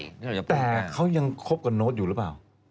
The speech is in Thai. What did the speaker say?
แต่เขายังคบกับโน้ตอยู่หรือเปล่า